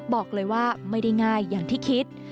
บอกเลยว่าไม่ได้ง่ายอย่างที่คิด